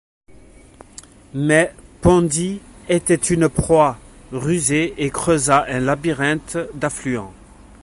Mais Pondi était une proie rusée et creusa un labyrinthe d'affluents.